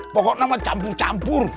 pokoknya mah campur campur